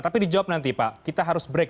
tapi dijawab nanti pak kita harus break